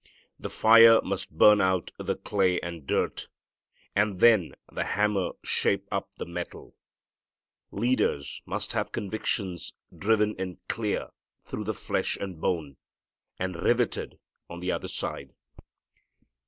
The fire must burn out the clay and dirt, and then the hammer shape up the metal. Leaders must have convictions driven in clear through the flesh and bone, and riveted on the other side.